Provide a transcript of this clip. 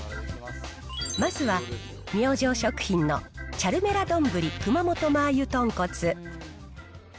まずは明星食品のチャルメラどんぶり熊本マー油とんこつ。